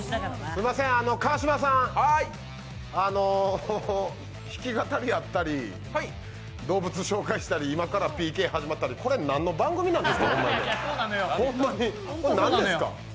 すみません、川島さん、弾き語りあったり、動物紹介したり、今からＰＫ始まったりこれはなんの番組なんすか、ほんまに、これなんすか？